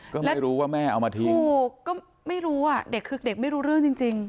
ก็ไม่รู้ว่าแม่เอามาทิ้งถูกก็ไม่รู้อ่ะเด็กคือเด็กไม่รู้เรื่องจริงจริง